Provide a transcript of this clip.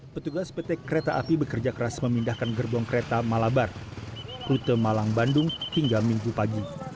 petugas pt kereta api bekerja keras memindahkan gerbong kereta malabar rute malang bandung hingga minggu pagi